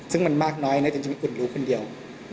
ซึ่งมันมากน้อยน่ะเหมือนจะมีอุ่นลูกคนเดียว